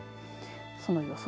その予想